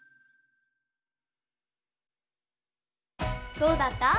どうだった？